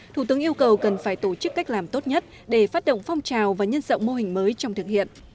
thủ tướng yêu cầu cần phải tổ chức cách làm tốt nhất để phát động phong trào và nhân dọng mô hình mới trong thực hiện